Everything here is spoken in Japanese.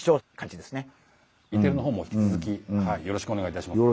Ｅテレの方も引き続きよろしくお願いいたします。